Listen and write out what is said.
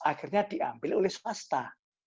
akhirnya diambil oleh swasta